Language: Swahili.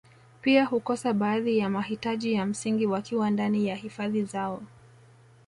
Pia hukosa baadhi ya mahitaji ya msingi wakiwa ndani ya hifadhi zao